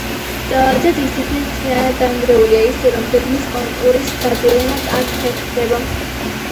ძეგლი თითქმის მთლიანად დანგრეულია, ისე, რომ გეგმის კონტურის დადგენაც არ ხერხდება.